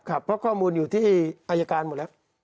ครับเพราะข้อมูลอยู่ที่อายการหมดแล้ว